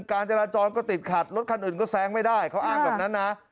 การจราจรก็ติดขัดรถคันอื่นก็แซงไม่ได้เขาอ้างแบบนั้นนะ